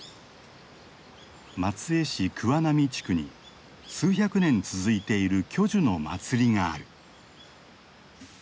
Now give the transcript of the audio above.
松江市桑並地区に数百年続いている巨樹の祭りがある。